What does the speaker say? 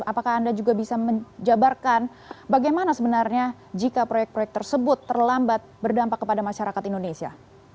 apakah anda juga bisa menjabarkan bagaimana sebenarnya jika proyek proyek tersebut terlambat berdampak kepada masyarakat indonesia